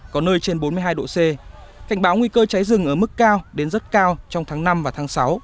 cảnh báo nguy cơ cháy rừng ở mức cao đến rất cao trong tháng năm và tháng sáu